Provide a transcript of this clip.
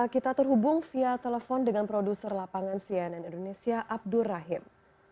kita terhubung via telepon dengan produser lapangan cnn indonesia abdur rahim